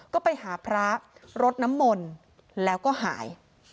ก็ไปหาพระรดน้ำมนต์แล้วก็หาย